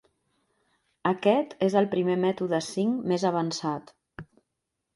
Aquest és el primer mètode V més avançat.